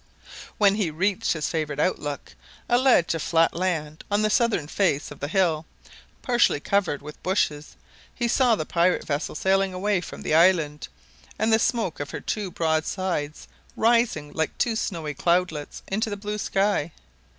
When he reached his favourite outlook a ledge of flat land on the southern face of the hill, partially covered with bushes he saw the pirate vessel sailing away from the island, and the smoke of her two broadsides rising like two snowy cloudlets into the blue sky.